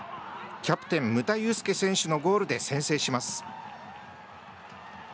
キャプテン、牟田雄祐選手のゴールで先制します。